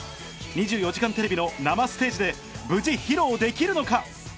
『２４時間テレビ』の生ステージで無事披露できるのか？